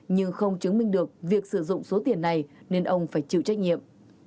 nhưng không chứng minh được việc sử dụng số tiền này nên ông phải chịu trách nhiệm